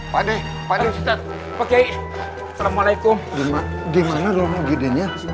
pak d pak d pak d pak yai assalamualaikum dimana lu gedenya